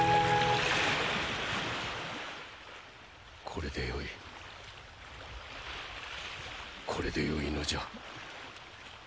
これでよいこれでよいのじゃ。